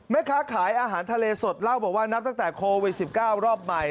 แม่ค้าขายอาหารทะเลสดเล่าบอกว่านับตั้งแต่โควิด๑๙รอบใหม่